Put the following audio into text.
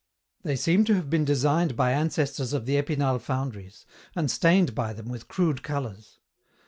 They seem to have been designed by ancestors of the Epinal foundries, and stained by them with crude colours.